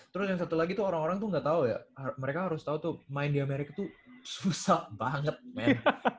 terus yang satu lagi tuh orang orang tuh gak tau ya mereka harus tahu tuh main di amerika tuh susah banget main